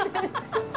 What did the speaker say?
ハハハハ！